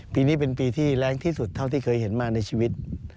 ปีนี้เป็นปีที่แรงที่สุดเท่าที่เคยเห็นมาในชีวิต